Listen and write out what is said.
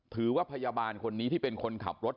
ถือว่าพยาบาลคนนี้ที่เป็นคนขับรถ